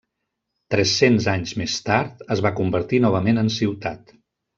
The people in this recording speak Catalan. Tres-cents anys més tard, es va convertir novament en ciutat.